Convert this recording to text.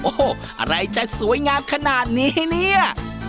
โอ้โหอะไรจะสวยงามขนาดนี้เนี่ย